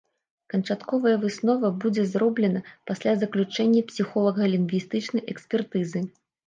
Канчатковая выснова будзе зроблена пасля заключэння псіхолага-лінгвістычнай экспертызы.